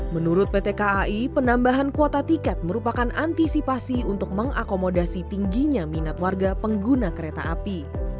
menurut pt kai penambahan kuota tiket merupakan antisipasi untuk mengakomodasi tingginya minat warga pengguna kereta api